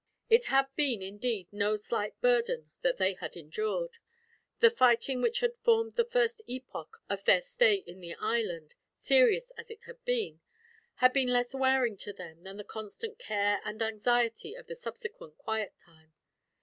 It had been, indeed, no slight burden that they had endured. The fighting which had formed the first epoch of their stay in the island, serious as it had been, had been less wearing to them than the constant care and anxiety of the subsequent quiet time.